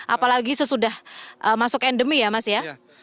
apalagi sesudah masuk endemi ya mas ya